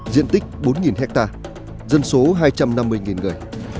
diện tích bốn hectare dân số hai trăm năm mươi người